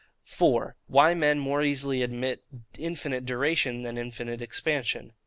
4. Why Men more easily admit infinite Duration than infinite Expansion.